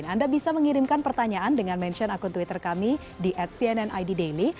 anda bisa mengirimkan pertanyaan dengan mention akun twitter kami di at cnn id daily